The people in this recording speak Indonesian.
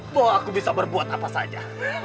bahwa aku bisa berbuat apa saja